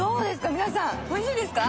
皆さん、おいしいですか？